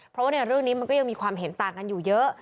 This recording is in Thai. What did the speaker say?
เพราะว่าในเรื่องนี้มันก็ยังมีความเห็นต่างกันอยู่เยอะ